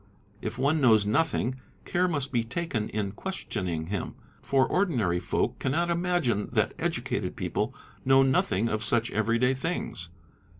If one knows nothing, care must be taken in questioning him, for ordinary folk cannot imagine that educated people know nothing of such every day things.